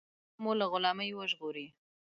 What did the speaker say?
دا درې به مو له غلامۍ وژغوري.